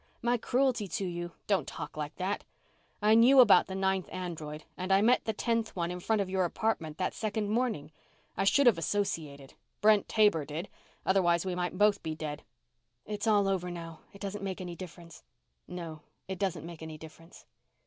My cruelty to you " "Don't talk like that! I knew about the ninth android, and I met the tenth one in front of your apartment that second morning. I should have associated. Brent Taber did, otherwise we might both be dead." "It's all over now. It doesn't make any difference." "No, it doesn't make any difference."